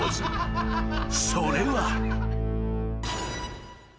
［それは］